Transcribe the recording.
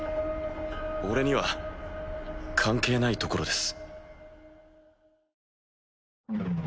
俺には関係ない所です。